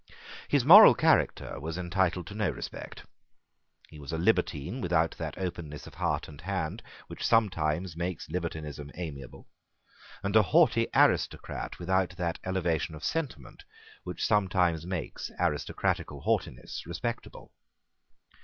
His moral character was entitled to no respect. He was a libertine without that openness of heart and hand which sometimes makes libertinism amiable, and a haughty aristocrat without that elevation of sentiment which sometimes makes aristocratical haughtiness respectable.